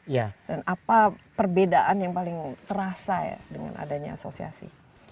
dan apa perbedaan yang paling terasa dengan adanya asosiasi